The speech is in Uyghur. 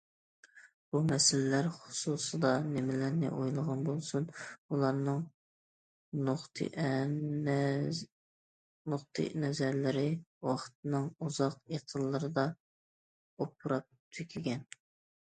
بۇ مەسىلىلەر خۇسۇسىدا نېمىلەرنى ئويلىغان بولسۇن، ئۇلارنىڭ نۇقتىئىنەزەرلىرى ۋاقىتنىڭ ئۇزاق ئېقىنلىرىدا ئۇپراپ تۈگىگەن.